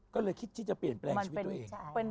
ก็เลยคิดที่จะเปลี่ยนแปลงชีวิตตัวเอง